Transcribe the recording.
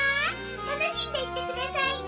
たのしんでいってくださいね。